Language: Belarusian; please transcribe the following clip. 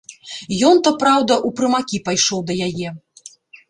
Ён то, праўда, у прымакі пайшоў да яе.